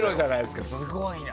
すごいな。